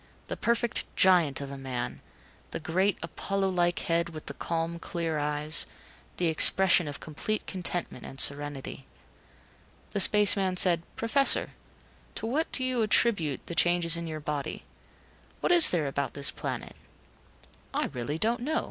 The perfect giant of a man; the great, Apollo like head with the calm, clear eyes; the expression of complete contentment and serenity. The space man said, "Professor to what do you attribute the changes in your body. What is there about this planet ?" "I really don't know."